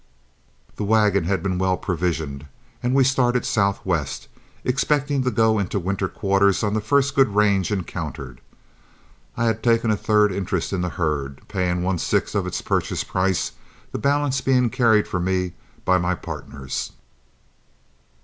The wagon had been well provisioned, and we started southwest, expecting to go into winter quarters on the first good range encountered. I had taken a third interest in the herd, paying one sixth of its purchase price, the balance being carried for me by my partners.